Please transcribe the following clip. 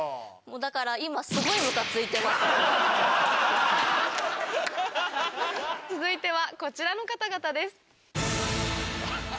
だから今すごい。続いてはこちらの方々です。